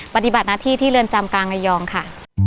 ปฏิบัติหน้าที่ที่เรือนจำกลางระยองค่ะ